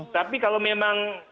tapi kalau memang